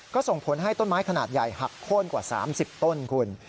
ก็ส่งผลให้ต้นไม้ขนาดใหญ่หักโค้นกว่า๓๐ต้นคุณ